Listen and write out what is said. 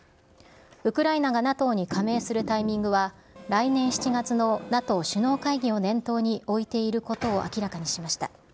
ウクライナがＮＡＴＯに加盟するタイミングは、来年７月のＮＡＴＯ首脳会議を念頭に置いていることを明らかにしました。